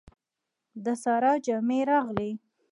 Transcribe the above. د سارا جامې راغلې.